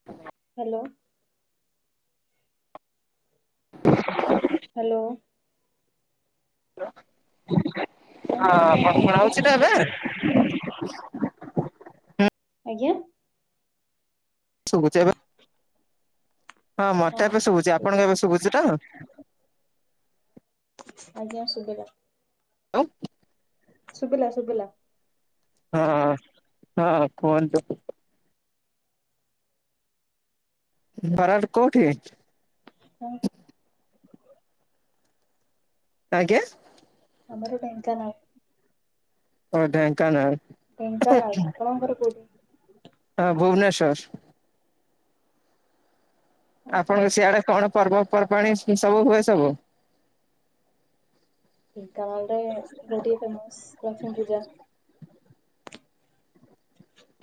[inaudible] Hello. Hello. ଆପଣଙ୍କ ହଁ କଥା -ହଁ ଶୁଣା ଠିକରେ ହଉଚି ତ ଶୁଭୁନି। ଏବେ? ଆଜ୍ଞା। ଶୁବୁଚି ଏବେ ହଁ ମତେ ଏବେ ହଁ ଶୁବୁଚି ଆପଣଙ୍କୁ ଶୁଭିଲା ଏବେ ଶୁବୁଚି ତ? ଆଜ୍ଞା ଶୁବିଲା। [unintelligible] ଶୁଭିଲା ଶୁଭିଲା। ହଁ ହଁ କୁହନ୍ତୁ। ଘର ଟା କୋଉଠି? ହଁ। ଆଜ୍ଞା। ଆମର ଢେଙ୍କାନାଳ। ଓ ଢେଙ୍କାନାଳ। ଢେଙ୍କାନାଳ ଆପଣଙ୍କ ଘର କୋଉଠି? ହଁ ଭୁବନେଶ୍ଵର। ଓହୋ ଆପଣଙ୍କ ସିଆଡେ କଣ ପର୍ବପର୍ବାଣି ସେ ସବୁ ହୁଏ ସବୁ? ଢେଙ୍କାନାଳରେ ଗୋଟେ ଫେମସ ଲକ୍ଷ୍ମୀ ପୂଜା।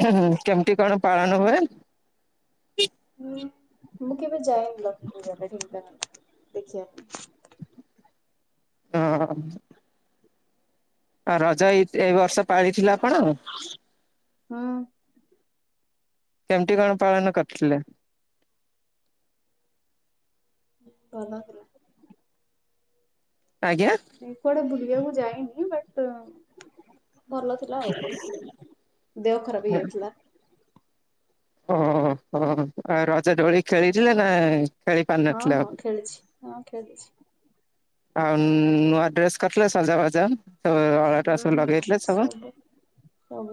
ହୁଁ ହୁଁ କେମିତି କଣ ପାଳନ ହୁଏ? ହୁଁ ମୁଁ କେବେ ଯାଏନି ଲକ୍ଷ୍ମୀ ପୂଜା ଢେଙ୍କାନାଳ ଦେଖିବା ପାଇଁ। ହଁ ହଁ ଆଉ ରଜ ଏଇ ଏଇ ବର୍ଷ ପାଳିଥିଲେ ଆପଣ? ହୁଁ କେମତି କଣ ପାଳନ କରିଥିଲେ? ଭଲ ଆଜ୍ଞା। ନାଇ କୁଆଡେ ବୁଲିବାକୁ ଯାଇନି ବଟ ଭଲ ହ୍ୟାଲୋ ଦେହ ଖରାପ ହେଇଯାଇଥିଲା। ଓହୋ ଓହୋ ଆଉ ରଜ ଦୋଳି ଖେଳିଥିଲେ ନା? ଖେଳି ହଁ ପାରିନଥିଲେ ଆଉ? ହଁ ଖେଳିଛି ହଁ ଖେଳିଛି। ଆଉ ନୂଆ ଡ୍ରେସ କରିଥିଲେ ସଜ ହୁଁ ବାଜାର। [unintelligible] ସବୁ? ସବୁ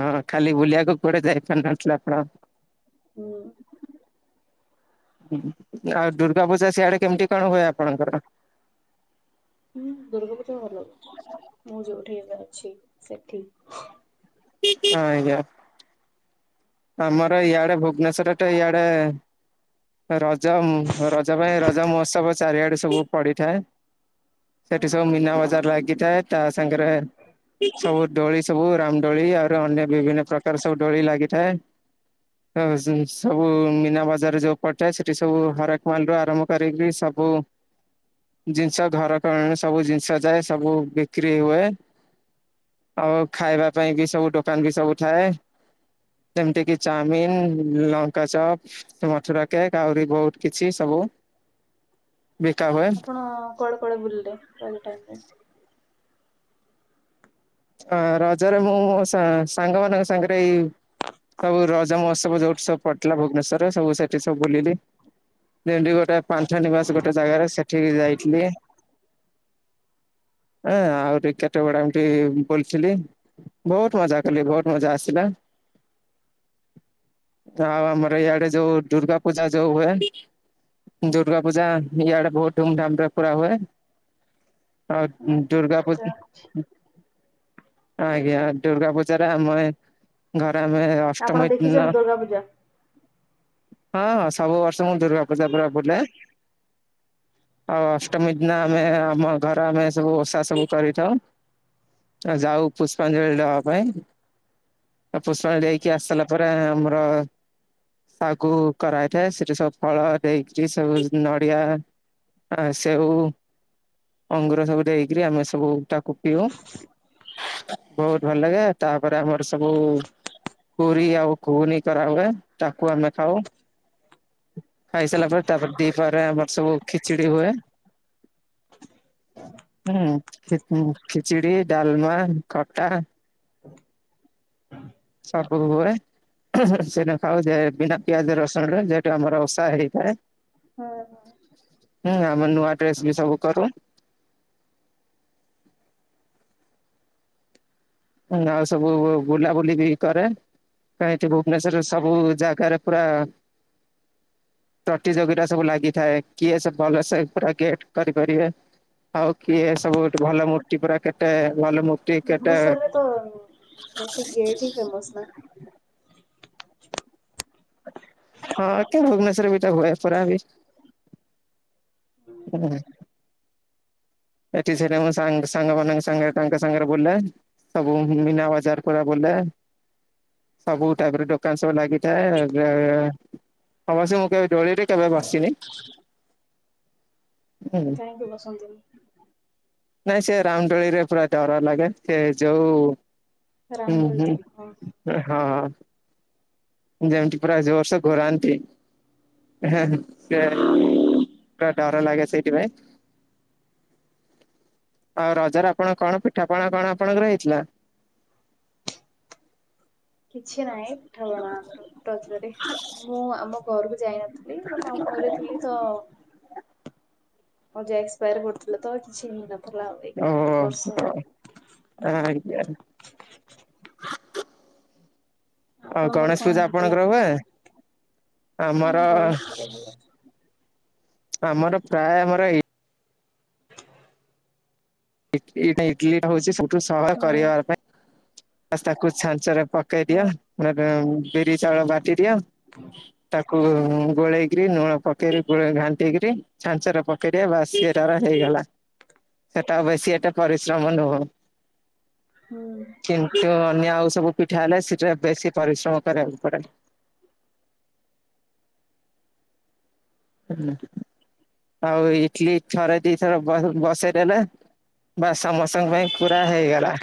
ହଁ ଖାଲି ବୁଲିବାକୁ କୁଆଡେ ଯାଇପାରି ନଥିଲେ ଆପଣ। ହୁଁ। ହୁଁ ଆଉ ଦୁର୍ଗା ପୂଜା ସିଆଡେ କେମିତି କଣ ହୁଏ ଆପଣଙ୍କର? ହୁଁ ଦୁର୍ଗା ପୂଜା ଭଲ ମୁଁ ଯୋଉଠି ଏବେ ଅଛି ସେଠି। ହଁ ଆଜ୍ଞା। ଆମର ଇଆଡେ ଭୁବନେଶ୍ଵରରେ ତ ଇଆଡେ ରଜ ମ ରଜ ପାଇଁ ରଜ ମହୋତ୍ସବ ଚାରିଆଡେ ସବୁ ପଡିଥାଏ। ସେଠି ସବୁ ମୀନା ବଜାର ଲାଗିଥାଏ ତା ସାଙ୍ଗରେ ସବୁ ଦୋଳି ସବୁ ରାମ ଦୋଳି ଆହୁରି ଅନ୍ୟ ବିଭିନ୍ନ ପ୍ରକାର ସବୁ ଦୋଳି ଲାଗିଥାଏ। ହ ସ ସବୁ ମୀନା ବଜାର ଯୋଉ ପଡିଯାଏ ସେଠି ସବୁ ହରେକ ମାଲରୁ ଆରମ୍ଭ କରିକି ସବୁ ଜିନିଷ ଘର କରଣ ସବୁ ଜିନିଷ ଯାଏ ସବୁ ବିକ୍ରି ହୁଏ ଆଉ ଖାଇବା ପାଇଁ ବି ସବୁ ଦୋକାନ ବି ସବୁ ଥାଏ ଯେମିତି କିି ଚାଅମିିନ ଲଙ୍କା ଚପ୍ ତ ମଥୁରା କେକ୍ ଆହୁରି ବହୁତ କିଛି ସବୁ ବିକା ହୁଏ। ଆପଣ କୁଆଡ଼େ କୁଆଡ଼େ ବୁଲିଲେ ରଜ ଟାଇମରେ! ହଁ ରଜରେ ମୁଁ ସା ସାଙ୍ଗମାନଙ୍କ ସାଙ୍ଗରେ ଏଇ ସବୁ ରଜ ମହୋତ୍ସବ ଯୋଉଠି ସବୁ ପଡ଼ିଲା ଭୁବନେଶ୍ୱର ସବୁ ସେଠି ସବୁ ବୁଲିଲି। ଯେ ଗୋଟେ ପାଞ୍ଚ ନିବାସ ଗୋଟେ ଜାଗାରେ ସେଠିକି ଯାଇଥିଲି ହଁ ଆହୁରୀ କେତେ ଗୁଡ଼ା ଏମିତି ବୁଲିଥିଲି ବହୁତ ମଜା କଲି ବହୁତ ମଜା ଆସିଲା। ଆଉ ଆମର ଇଆଡ଼େ ଯଉ ଦୁର୍ଗା ପୂଜା ଯଉ ହୁଏ ଦୁର୍ଗା ପୂଜା ଇଆଡ଼େ ବହୁତ ଧୁମଧାମ ରେ ପୁରା ହୁଏ। ହଉ ଦୁର୍ଗା ପୂଜା ଆଜ୍ଞା ଦୁର୍ଗା ପୂଜାରେ ଆମେ ଘରେ ଆମେ ଆପଣ ଅଷ୍ଟମୀ ଦିନ ଦେଖିଛନ୍ତି ଦୁର୍ଗା ପୂଜା? ହଁ ହଁ ସବୁ ବର୍ଷ ମୁଁ ଦୁର୍ଗା ପୂଜା ପୁରା ବୁଲେ। ଆଉ ଅଷ୍ଟମୀ ଦିନ ଆମେ ଆମ ଘର ଆମେ ସବୁ ଓଷା ସବୁ କରିଥାଉ। ଆଉ ଯାଉ ପୁଷ୍ପାଞ୍ଜଳି ଦବା ପାଇଁ। ପୁଷ୍ପାଞ୍ଜଳି ଦେଇକି ଆସିଲା ପରେ ଆମର ତାକୁ କରାହେଇଥାଏ। ସେଠି ସବୁ ଫଳ ଦେଇକି ସବୁ ନଡ଼ିଆ ଆ ସେଉ ଅଙ୍ଗୁର ସବୁ ଦେଇକରି ଆମେ ସବୁ ତାକୁ ପିଉ। ବହୁତ ଭଲ ଲାଗେ। ତାପରେ ଆମର ସବୁ ପୁରି ଆଉ ଘୁଗୁନି କରା ହଏ ତାକୁ ଆମେ ଖାଉ। ଖାଇସାରିଲା ପରେ ତାପରେ ଦିପରେ ଆମର ସବୁ ଖିଚିଡି ହୁଏ। ହଁ ଖିଚୁଡି ଡାଲମା ଖଟା [inaudible] ସବୁ ହୁଏ ସେଟା ଖାଉ ଯେ ବିନା ପିଆଜ ରସୁଣରେ ଆମର ଓଷା ହେଇଥାଏ। ହଁ ହଁ। ହୁଁ ଆମର ନୂଆ ଡ୍ରେସ ବି ସବୁ କରୁ। ଆଉ ସବୁ ବୁଲାବୁଲି ବି କରେ। କହିଁଠି ଭୁବନେଶ୍ଵର ସବୁ ଜାଗାରେ ପୁରା ପ୍ରତିଯୋଗିତା ସବୁ ଲାଗିଥାଏ କିଏ ସବୁ ଭଲ ସେ ପୁରା ଗେଟ କରି ପାରିବେ। ହଉ କିଏ ସବୁ ଗୋଟେ ଭଲ ମୂର୍ତ୍ତି ପୁରା କେତେ ଭଲ ମୂର୍ତ୍ତି କେତେ ଭୁବନେଶ୍ୱରରେ ତ ସେଇ ଗେଟ ହି ଫେମସ ନା। ହଁ ଭୁବନେଶ୍ଵର ବି ତ ହୁଏ ପୁରା ବି ହୁଁ ଏ ସେ ସାଙ୍ଗ ମ ସାଙ୍ଗରେ ତାଙ୍କ ସାଙ୍ଗରେ ବିଲ ସବୁ ମୀନା ବଜାର ପୁରା ବୁଲେ। ସବୁ ଟାଇପ ର ଦୋକାନ ସବୁ ଲାଗିଥାଏ ଅବଶ୍ୟ ମୁଁ କହିବି ଦୋଳିରେ କେବେ ବସିନି ହୁଁ। କାହିଁକି ବସନ୍ତି ନି। ନାଇଁ ସେ ରାମ ଦୋଳିରେ ପୁରା ଡର ଲାଗେ ସେ ଯଉ ହୁଁ ରାମଦୋଳି ହୁଁ। ତ ହଁ। ହଁ। ଯେମିତି ପ୍ରାୟ ବର୍ଷ ଘରନ୍ତି। ସେ ପୁରା ଡର ଲାଗେ ସେଇଥିପାଇଁ ଆଉ ରଜରେ ଆପଣ କଣ ପିଠାପଣା କଣ କଣ ଆପଣଙ୍କର ହେଇଥିଲା। କିଛି ନାହିଁ ପିଠାପଣା ଆମର ରଜରେ ମୁଁ ଆମ ଘରକୁ ଯାଇନଥିଲି। ଥିଲି ମୋ ମାମୁଁ ଘରେ ଥିଲି ତ ହଉ ଯା ଏକ୍ସପାୟାର କରୁଥିଲ ତ ଆଉ କିଛି ହେଇ ନ। ଓ ଆଜ୍ଞା। ହଉ ଆପଣଙ୍କର ଗଣେଶ କଣ ପୂଜା ହେଇଥିଲା? ଆପଣଙ୍କର ହୁଏ ହଁ ଆମର ଗଣେଶ ପୂଜା ଭଳିଆ। ଆମର ପ୍ରାୟ ଆମର ଏଇ ଇଟଲିା ହଉଛିୋଠୁ ସହୟ ହଁ କରିବା ପାଇଁ ତାକୁ ଛାଞ୍ଚରେ ହଁ କଦିଆ ମ ବିରି ଚାଉଳ ବାଟି ଦିଅ। ହୁଁ। ତାକୁ ଗୋଳେଇକରି ଲୁଣ ପକେଇକ ଘାଟେଇକରି ଛାଞ୍ଚର ପକେଇ କେ ବାସିଏ ତର ହେଇଗଲା। ତ ବେଶୀ ଏଟା ପରିଶ୍ରମ ନୁହଁ। ହଁ। କିନ୍ତୁ ଅନ୍ୟ ଆଉ ସବୁ ପିଠା ହେଲେ ସେଟା ବେଶୀ ପରିଶ୍ରମ କରିବାକୁ ପଡେ। ଆଉ ଇଟଲି ଛରେ ଦି ଥର ବସେଇଦଲା। ବା ସମସ୍ତଙ୍କ ପାଇଁ ପୁର ହେଇଗଲା।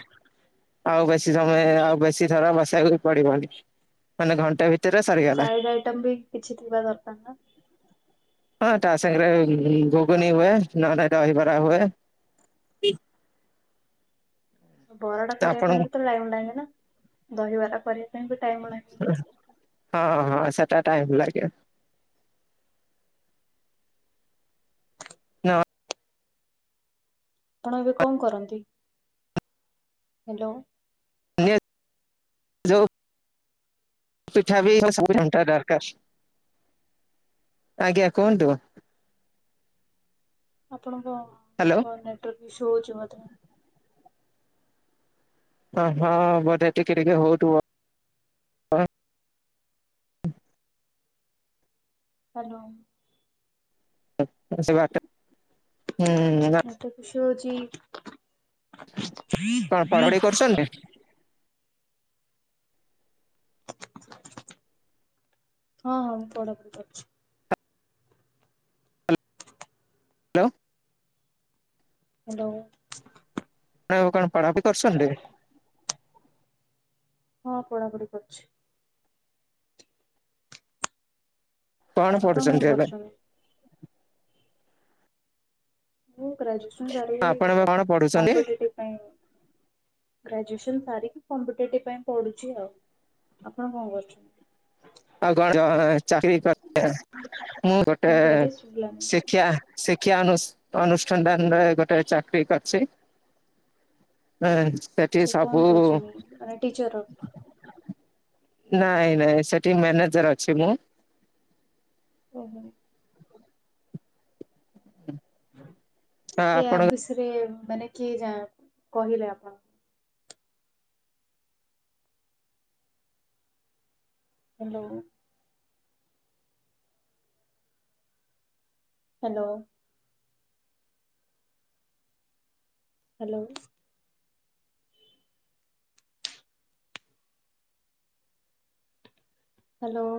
ଆଉ ବେଶୀ ସମୟ ଆଉ ବେଶୀ ଥର ବସେଇବାକୁ ବି ପଡିବନି ମାନେ ଘଣ୍ଟା ଭିତ ସଡ ଆଇଟମ ବି କିଛି ଥିବା ଦରକାର ନା। ହଁ ତା ସାଙ୍ଗରେ ଘୁଗୁନି ହୁଏ ନହଲେେଲେ ଦହିବରା ହୁଏ। ବରାଟା ତ କରିବା ପାଇଁ ଆପଣଙ୍କୁ ବି ତ ଟାଇମ ଲାଗେ ନା ଦହିବରା କରିବା ପାଇଁ ବି ଟାଇମ ଲ ହଁ ହଁ ସେଟା ଟାଇମ ଲାଗେ। ଆପଣ ଏବେ କଣ କରନ୍ତି? ହ୍ୟାଲୋ। [unintelligible] [unintelligible] ଦରକାର ଆଜ୍ଞା କୁହନ୍ତୁ। ଆପଣଙ୍କ ହ୍ୟାଲୋ। ହ ନେଟର ବି ଈସୁ ହଉଛି ମେ ହ ହଁ ବଧେ ଟିକେ ଟିକେ ହଉଥିବ। ହ୍ୟାଲୋ। ହ ସେ ବାଟ ହୁଁ। [unintelligible] କଣ ପାଢାପଢି କରୁଛନ୍ତି? ହଁ ହଁ ମୁଁ ପଢାପଢ଼ି କରୁଛି। ହ୍ୟାଲୋ। ହ୍ୟାଲୋ। ନ କଣ ପଢାପି କରୁଛନ୍ତି? ହଁ, ପଢାପଢି କରୁଛି। କଣ ଆପଣ ପଢୁଛନ୍ତି କଣ ଏବେ କରୁଛନ୍ତି? ମୁଁ ଗ୍ରାଜୁଏସନ ଆପଣ ଏବେ ସାରିକି କଣ ପଢୁଛନ୍ତି କମ୍ପିଟେଟିଭ ପାଇଁ ଗ୍ରାଜୁଏସନ ସାରିକି କମ୍ପିଟେଟିଭ ପାଇଁ ପଢୁଛି ଆଉ। ଆପଣ କଣ କରୁଛନ୍ତି? [unintelligible] ଶିକ୍ଷା କଣ କହିଲେ ଶୁଭିଲାନି? ଶିକ୍ଷା ଅନୁଷ୍ଠାନରେ ଗୋଟେ ଚାକିରି କରିଛି। ହଁ ସେଠି ଆଚ୍ଛା କଣ ସାବୁ କରୁଛନ୍ତି? ମାନେ ଟିଚର। ନାଇଁ ନାଇଁ, ସେଠି ମ୍ୟାନେଜର ଅଛି ମୁଁ। ଓହୋ। ୟା ଆପଣଙ୍କ ବିଷୟରେ ମାନେ କିଏ ଯା କହିଲେ ଆପଣ? ହ୍ୟାଲୋ। ହ୍ୟାଲୋ। ହ୍ୟାଲୋ। ହ୍ୟାଲୋ।